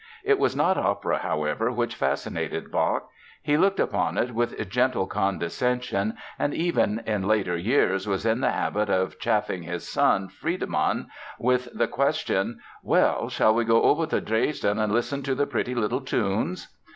It was not opera, however, which fascinated Bach. He looked upon it with gentle condescension and, even in later years, was in the habit of chaffing his son, Friedemann, with the question: "Well, shall we go over to Dresden and listen to the pretty little tunes?"